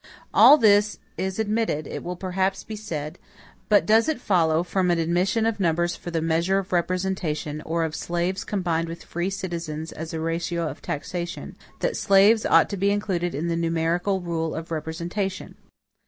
All this is admitted, it will perhaps be said; but does it follow, from an admission of numbers for the measure of representation, or of slaves combined with free citizens as a ratio of taxation, that slaves ought to be included in the numerical rule of representation?